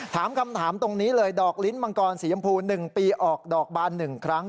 ถามคำถามตรงนี้เลยดอกลิ้นมังกรสียำพู๑ปีออกดอกบาน๑ครั้ง